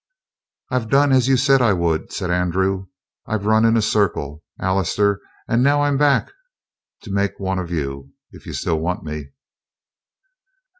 "I've done as you said I would," said Andrew. "I've run in a circle, Allister, and now I'm back to make one of you, if you still want me."